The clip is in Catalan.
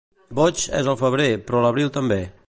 Boig és el febrer, però l'abril també.